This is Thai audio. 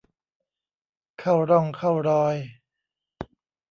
เข้าร่องเข้ารอย